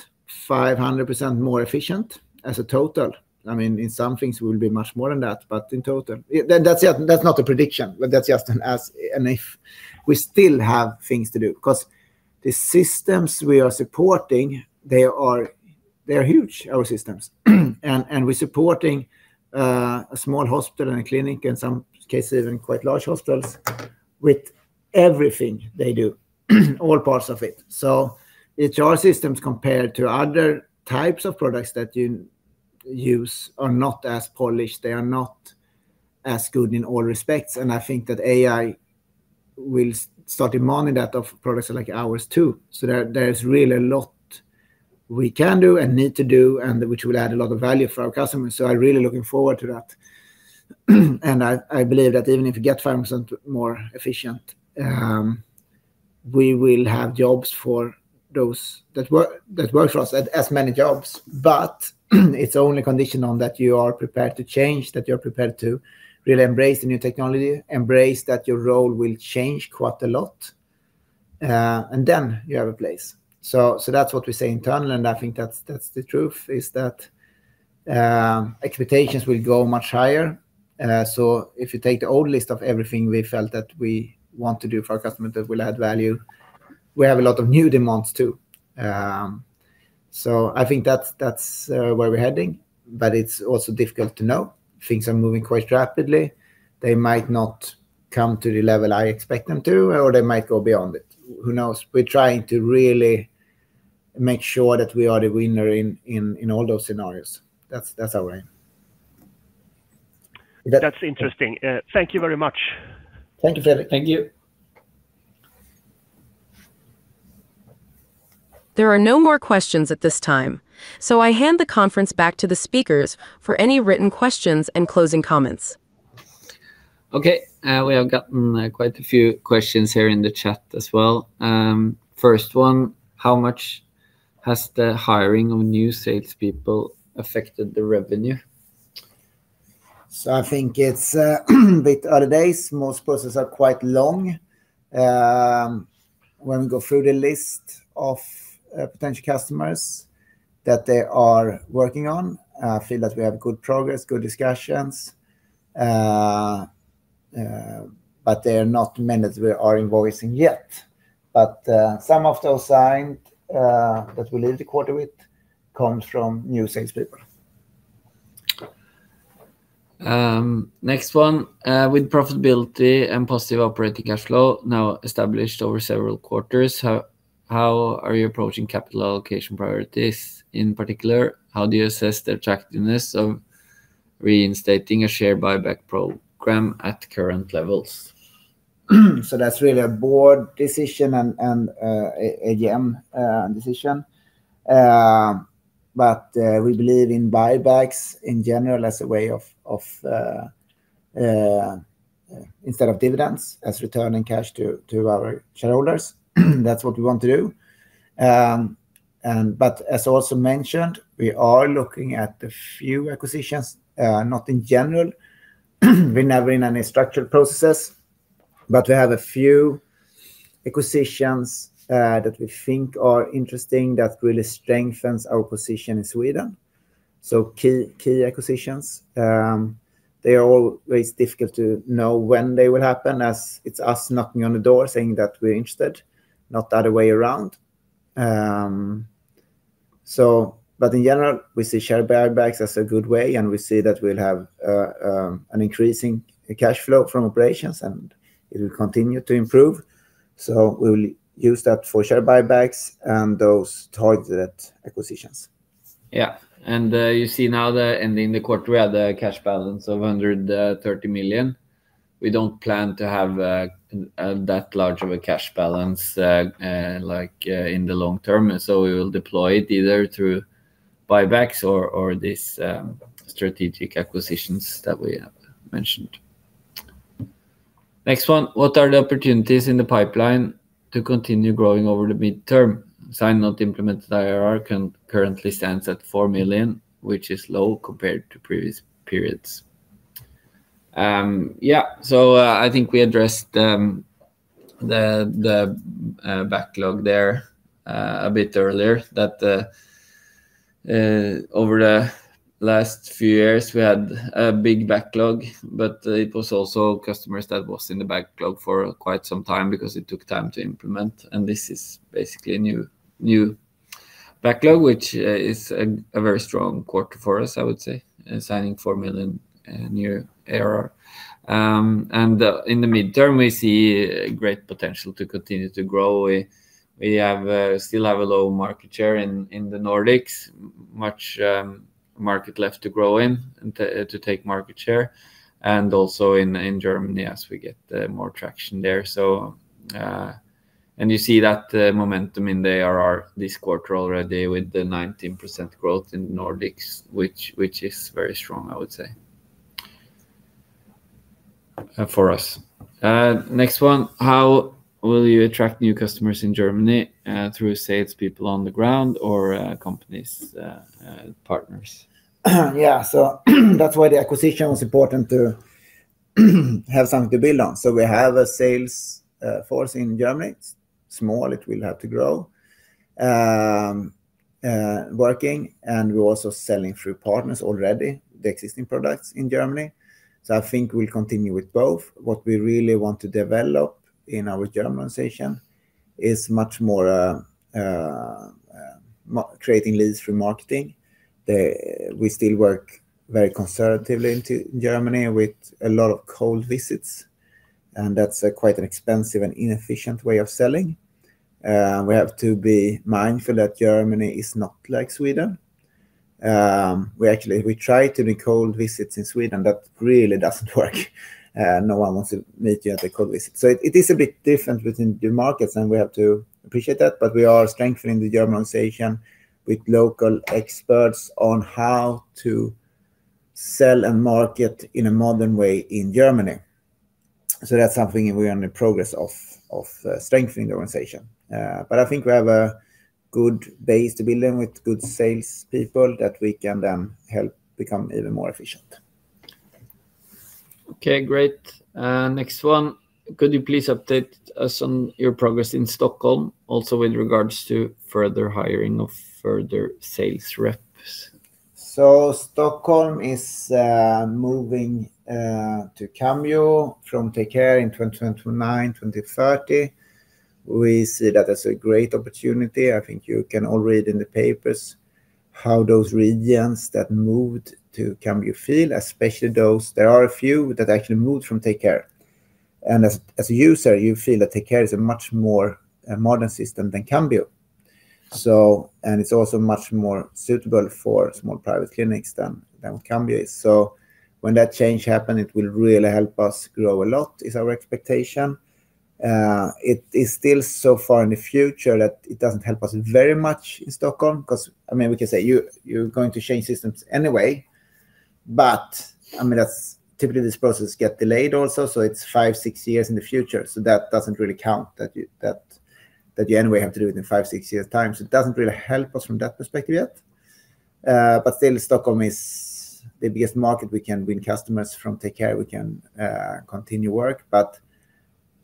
500% more efficient as a total, in some things we will be much more than that, but in total. That's not a prediction, but that's just an as and if. We still have things to do because the systems we are supporting, they are huge, our systems. We're supporting a small hospital and a clinic in some cases and quite large hospitals with everything they do, all parts of it. It's our systems compared to other types of products that you use are not as polished. They are not as good in all respects. I think that AI will start demanding that of products like ours too. There's really a lot we can do and need to do and which will add a lot of value for our customers. I'm really looking forward to that. I believe that even if we get 5% more efficient, we will have jobs for those that work for us, as many jobs. It's only conditional on that you are prepared to change, that you're prepared to really embrace the new technology, embrace that your role will change quite a lot, and then you have a place. That's what we say internal, and I think that's the truth, is that expectations will go much higher. If you take the old list of everything we felt that we want to do for our customer that will add value, we have a lot of new demands too. I think that's where we're heading, but it's also difficult to know. Things are moving quite rapidly. They might not come to the level I expect them to, or they might go beyond it. Who knows? We're trying to really make sure that we are the winner in all those scenarios. That's our way. That's interesting. Thank you very much. Thank you, Fredrik. Thank you. There are no more questions at this time, so I hand the conference back to the speakers for any written questions and closing comments. Okay. We have gotten quite a few questions here in the chat as well. First one, how much has the hiring of new salespeople affected the revenue? I think it's a bit early days. Most processes are quite long. When we go through the list of potential customers that they are working on, I feel that we have good progress, good discussions. They're not many that we are invoicing yet. Some of those signed, that we leave the quarter with, comes from new salespeople. Next one. With profitability and positive operating cash flow now established over several quarters, how are you approaching capital allocation priorities? In particular, how do you assess the attractiveness of reinstating a share buyback program at current levels? That's really a Board decision and AGM decision. We believe in buybacks in general as a way of, instead of dividends, as returning cash to our shareholders. That's what we want to do. As also mentioned, we are looking at a few acquisitions. Not in general, we're never in any structured processes, but we have a few acquisitions that we think are interesting that really strengthens our position in Sweden, key acquisitions. They are always difficult to know when they will happen, as it's us knocking on the door saying that we're interested, not the other way around. In general, we see share buybacks as a good way, and we see that we'll have an increasing cash flow from operations, and it will continue to improve. We will use that for share buybacks and those targeted acquisitions. Yeah, you see now that ending the quarter, we had a cash balance of 130 million. We don't plan to have that large of a cash balance in the long term. We will deploy it either through buybacks or these strategic acquisitions that we have mentioned. Next one. What are the opportunities in the pipeline to continue growing over the midterm? Signed not implemented ARR currently stands at 4 million, which is low compared to previous periods. Yeah, I think we addressed the backlog there a bit earlier. Over the last few years, we had a big backlog, but it was also customers that was in the backlog for quite some time because it took time to implement, and this is basically a new backlog, which is a very strong quarter for us, I would say, signing 4 million new ARR. In the midterm, we see great potential to continue to grow. We still have a low market share in the Nordics, much market left to grow in and to take market share, and also in Germany as we get more traction there. You see that momentum in the ARR this quarter already with the 19% growth in Nordics, which is very strong, I would say, for us. Next one. How will you attract new customers in Germany? Through salespeople on the ground or company partners? Yeah. That's why the acquisition was important to have something to build on. We have a sales force in Germany. It's small, it will have to grow. Working, and we're also selling through partners already, the existing products in Germany. I think we'll continue with both. What we really want to develop in our German organization is much more creating leads through marketing. We still work very conservatively into Germany with a lot of cold visits, and that's quite an expensive and inefficient way of selling. We have to be mindful that Germany is not like Sweden. We try to do cold visits in Sweden, that really doesn't work. No one wants to meet you at a cold visit. It is a bit different within the markets, and we have to appreciate that. We are strengthening the German organization with local experts on how to sell and market in a modern way in Germany. That's something we are in the process of strengthening the organization. I think we have a good base to build on with good salespeople that we can then help become even more efficient. Okay, great. Next one, could you please update us on your progress in Stockholm, also with regards to further hiring of further sales reps? Stockholm is moving to Cambio from Take Care in 2029-2030. I think you can all read in the papers how those regions that moved to Cambio feel. There are a few that actually moved from Take Care. As a user, you feel that Take Care is a much more modern system than Cambio. It's also much more suitable for small private clinics than Cambio is. When that change happen, it will really help us grow a lot, is our expectation. It is still so far in the future that it doesn't help us very much in Stockholm because we can say you're going to change systems anyway, but typically this process get delayed also, so it's five, six years in the future. That doesn't really count that you anyway have to do it in five, six years' time. It doesn't really help us from that perspective yet. Still, Stockholm is the biggest market we can win customers from Take Care. We can continue work, but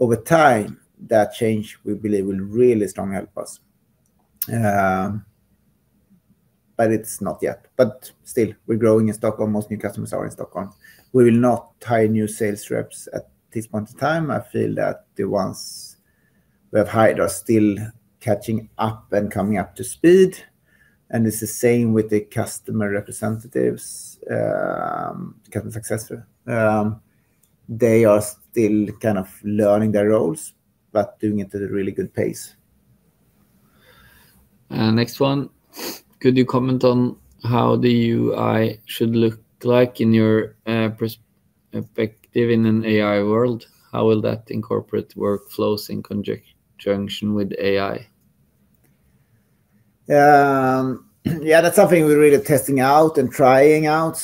over time, that change we believe will really strongly help us. It's not yet. Still, we're growing in Stockholm. Most new customers are in Stockholm. We will not hire new sales reps at this point in time. I feel that the ones we have hired are still catching up and coming up to speed, and it's the same with the customer representatives, customer success. They are still kind of learning their roles, but doing it at a really good pace. Next one. Could you comment on how the UI should look like in your perspective in an AI world? How will that incorporate workflows in conjunction with AI? Yeah, that's something we're really testing out and trying out.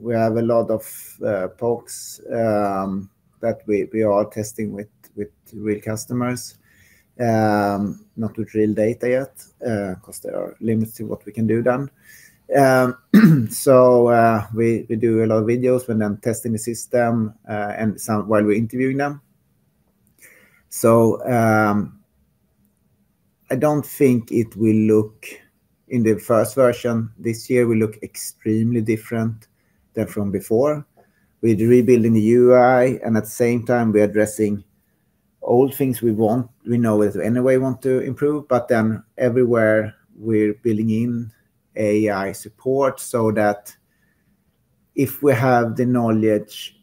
We have a lot of folks that we are testing with real customers, not with real data yet, because there are limits to what we can do then. We do a lot of videos with them testing the system and some while we're interviewing them. I don't think it will look, in the first version this year, extremely different than from before. We're rebuilding the UI, and at the same time, we are addressing all things we want. We know we anyway want to improve. Everywhere we're building in AI support so that if we have the knowledge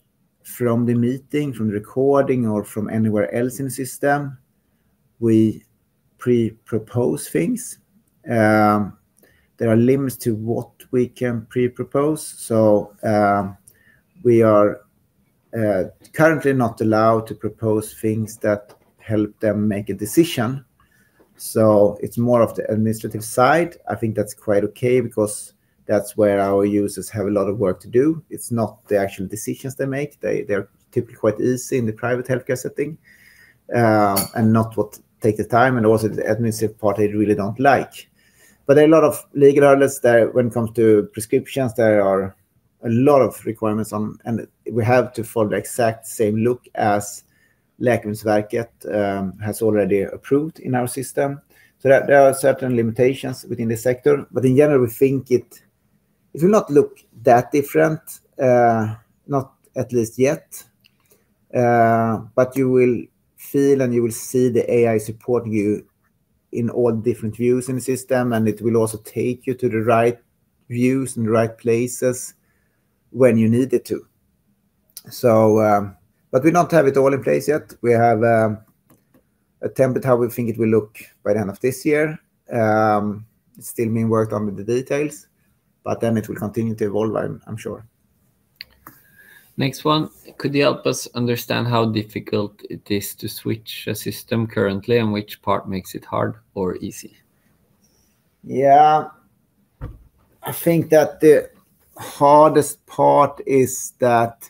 from the meeting, from the recording, or from anywhere else in the system, we pre-propose things. There are limits to what we can pre-propose. We are currently not allowed to propose things that help them make a decision. It's more of the administrative side. I think that's quite okay because that's where our users have a lot of work to do. It's not the actual decisions they make. They're typically quite easy in the private healthcare setting, and not what take the time, and also the administrative part, they really don't like. There are a lot of legal hurdles there when it comes to prescriptions. There are a lot of requirements, and we have to follow the exact same look as Läkemedelsverket has already approved in our system. There are certain limitations within the sector, but in general, we think it will not look that different, not at least yet. You will feel, and you will see the AI supporting you in all different views in the system, and it will also take you to the right views and the right places when you need it to. We don't have it all in place yet. We have attempted how we think it will look by the end of this year. It's still being worked on with the details, but then it will continue to evolve, I'm sure. Next one. Could you help us understand how difficult it is to switch a system currently, and which part makes it hard or easy? I think that the hardest part is that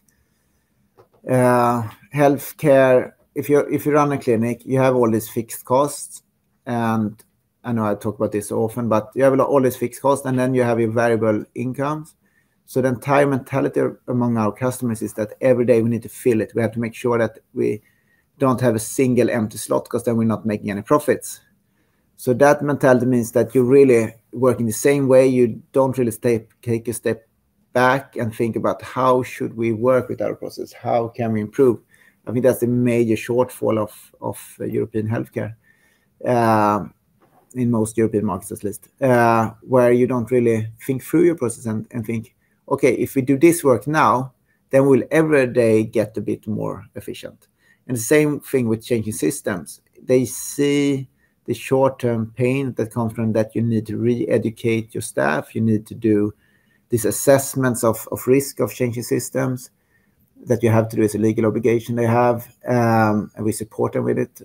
healthcare, if you run a clinic, you have all these fixed costs, and I know I talk about this often, but you have all these fixed costs, and then you have your variable income. The entire mentality among our customers is that every day we need to fill it. We have to make sure that we don't have a single empty slot because then we're not making any profits. That mentality means that you're really working the same way. You don't really take a step back and think about, how should we work with our process? How can we improve? I think that's the major shortfall of European healthcare, in most European markets at least, where you don't really think through your process and think, okay, if we do this work now, then will every day get a bit more efficient? The same thing with changing systems. They see the short-term pain that comes from that you need to re-educate your staff. You need to do these assessments of risk, of changing systems that you have to do as a legal obligation they have, and we support them with it.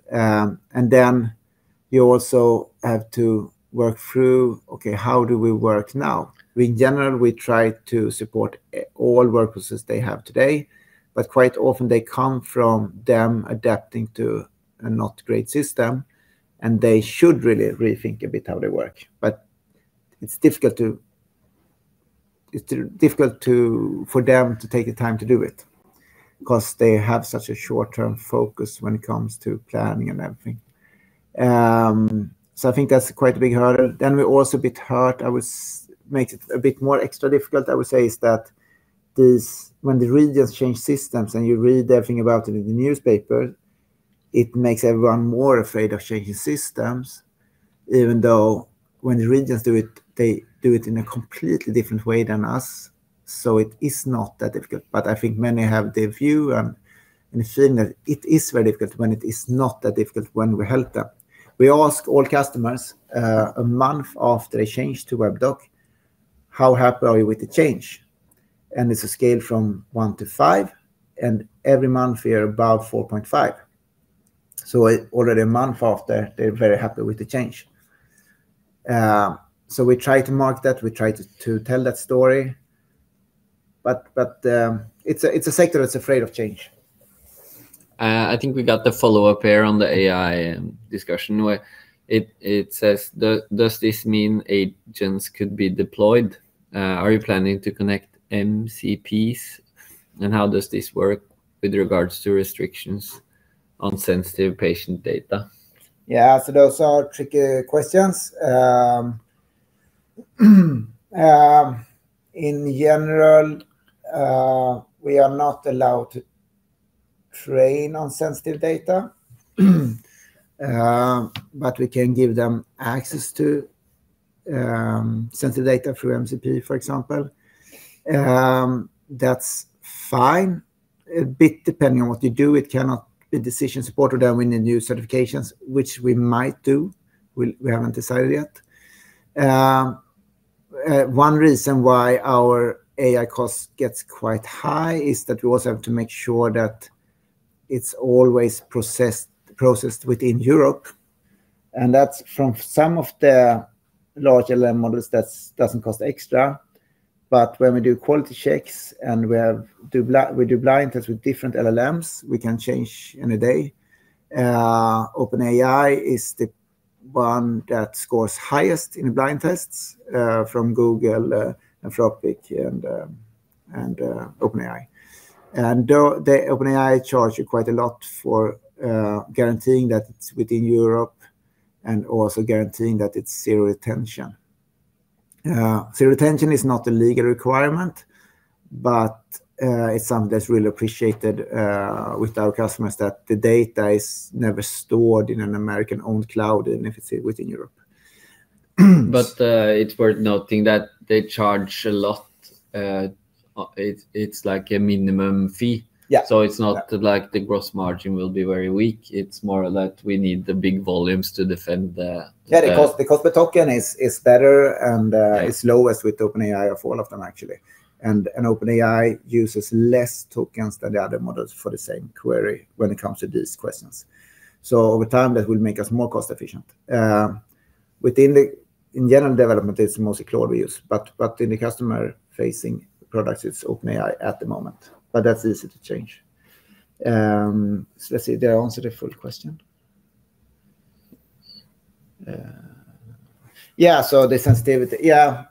You also have to work through, okay, how do we work now? In general, we try to support all work processes they have today, but quite often they come from them adapting to a not great system, and they should really rethink a bit how they work. It's difficult for them to take the time to do it because they have such a short-term focus when it comes to planning and everything. I think that's quite a big hurdle. We're also a bit hurt, makes it a bit more extra difficult, I would say, is that when the regions change systems and you read everything about it in the newspaper, it makes everyone more afraid of changing systems. Even though when the regions do it, they do it in a completely different way than us, so it is not that difficult. I think many have the view and the feeling that it is very difficult, when it is not that difficult when we help them. We ask all customers a month after they change to Webdoc, "How happy are you with the change?" It's a scale from one to five, and every month we are above 4.5. Already a month after, they're very happy with the change. We try to mark that, we try to tell that story. It's a sector that's afraid of change. I think we got the follow-up here on the AI discussion, where it says, "Does this mean agents could be deployed? Are you planning to connect MCPs? How does this work with regards to restrictions on sensitive patient data?" Yeah. Those are tricky questions. In general, we are not allowed to train on sensitive data, but we can give them access to sensitive data through MCP, for example. That's fine, a bit depending on what you do. It cannot be decision supported within the new certifications, which we might do. We haven't decided yet. One reason why our AI cost gets quite high is that we also have to make sure that it's always processed within Europe, and that's from some of the large LLM models that doesn't cost extra. When we do quality checks and we do blind tests with different LLMs, we can change in a day. OpenAI is the one that scores highest in blind tests, from Google, Anthropic, and OpenAI. Though the OpenAI charge you quite a lot for guaranteeing that it's within Europe, and also guaranteeing that it's zero retention. Zero retention is not a legal requirement, but it's something that's really appreciated with our customers, that the data is never stored in an American-owned cloud and if it's within Europe. It's worth noting that they charge a lot. It's like a minimum fee. Yeah. It's not like the gross margin will be very weak. It's more that we need the big volumes. Yeah. Because the token is better, and it's lowest with OpenAI of all of them actually. OpenAI uses less tokens than the other models for the same query when it comes to these questions. Over time, that will make us more cost-efficient. In general development, it's mostly Claude we use, but in the customer-facing products, it's OpenAI at the moment. That's easy to change. Let's see, did I answer the full question? Yeah, the sensitivity. Yeah,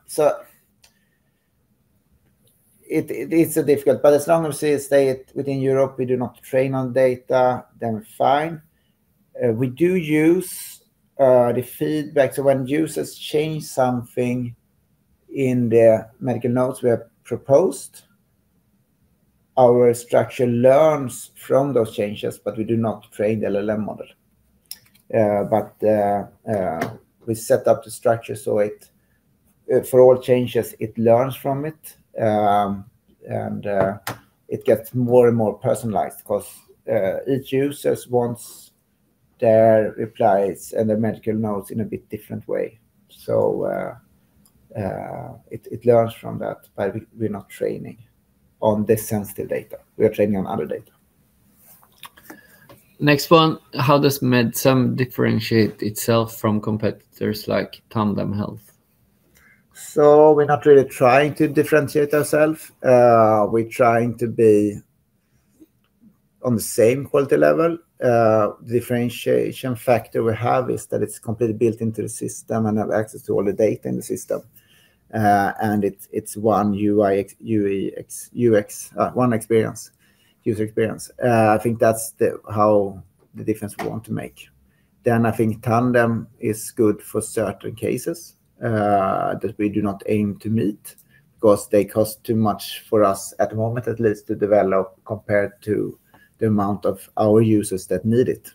it's difficult, but as long as we stay within Europe, we do not train on data, then we're fine. We do use the feedback. When users change something in their medical notes we have proposed, our structure learns from those changes, but we do not train the LLM model. We set up the structure so for all changes, it learns from it. It gets more and more personalized because each user wants their replies and their medical notes in a bit different way. It learns from that. We're not training on the sensitive data. We are training on other data. Next one, how does Medsum differentiate itself from competitors like Tandem Health? We're not really trying to differentiate ourself. We're trying to be on the same quality level. Differentiation factor we have is that it's completely built into the system and have access to all the data in the system. It's one user experience. I think that's how the difference we want to make. I think Tandem is good for certain cases that we do not aim to meet because they cost too much for us at the moment, at least to develop compared to the amount of our users that need it.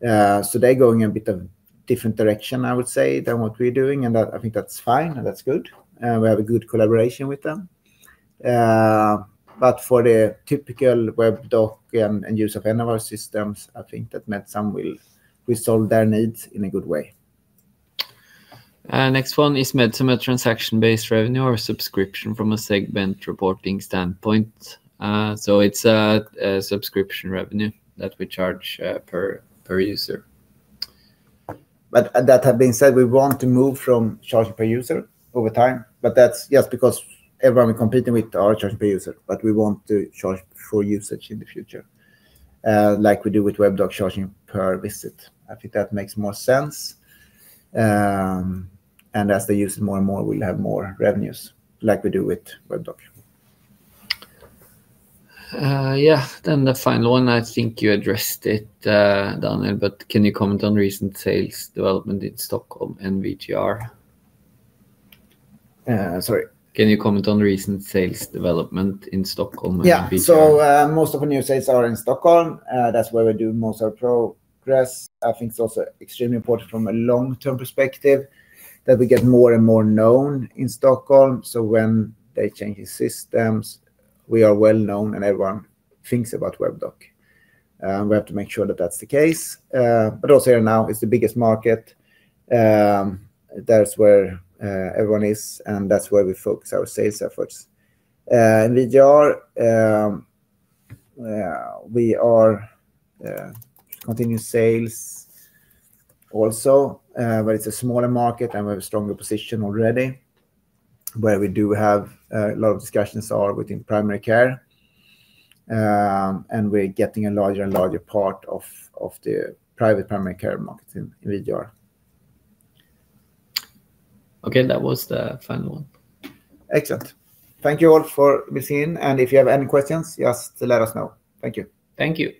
They're going a bit of different direction, I would say, than what we're doing, and I think that's fine and that's good. We have a good collaboration with them. For the typical Webdoc and user of any of our systems, I think that Medsum will resolve their needs in a good way. Next one, is Medsum a transaction-based revenue or a subscription from a segment reporting standpoint? It's a subscription revenue that we charge per user. That have been said, we want to move from charging per user over time. That's just because everyone we're competing with are charging per user, but we want to charge for usage in the future, like we do with Webdoc, charging per visit. I think that makes more sense. As they use it more and more, we'll have more revenues, like we do with Webdoc. Yeah. The final one, I think you addressed it, Daniel, but can you comment on recent sales development in Stockholm and VGR? Sorry. Can you comment on recent sales development in Stockholm and VGR? Yeah. Most of our new sales are in Stockholm. That's where we do most of our progress. I think it's also extremely important from a long-term perspective that we get more and more known in Stockholm. When they're changing systems, we are well-known and everyone thinks about Webdoc. We have to make sure that that's the case. Also here now, it's the biggest market. That's where everyone is and that's where we focus our sales efforts. In VGR, we are continuing sales also, but it's a smaller market and we have a stronger position already, where we do have a lot of discussions are within primary care. We're getting a larger and larger part of the private primary care market in VGR. Okay. That was the final one. Excellent. Thank you all for listening, and if you have any questions, just let us know. Thank you. Thank you.